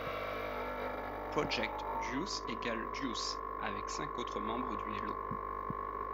Project, Juice=Juice, avec cinq autres membres du Hello!